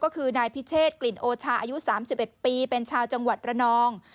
ก็คือนายพิเชษกลิ่นโอชาอายุ๓๑ปีเป็นชาวจังหวัดระนอง